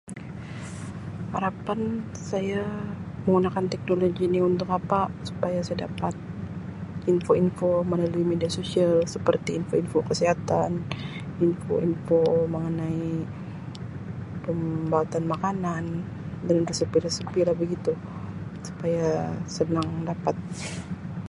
Harapan saya menggunakan teknologi ni untuk apa supaya saya dapat info info melalui media sosial seperti info info kesihatan info info mengenai pembuatan makanan dan resepi resepi lah begitu supaya senang dapat.